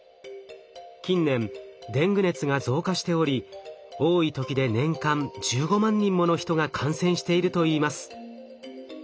近年デング熱が増加しており多い時で年間１５万人もの人が感染しているといいます。